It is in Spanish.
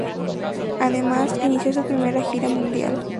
Además, inició su primera gira mundial.